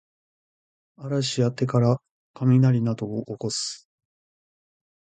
嵐や手からかみなりなどをおこす